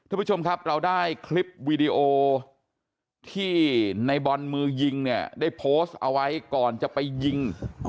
วีดีโอที่ในบอนมือยิงเนี่ยได้โพสเอาไว้ก่อนจะไปยิง